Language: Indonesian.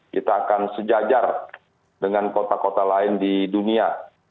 kita akan sejajar dengan kota kota lain di dunia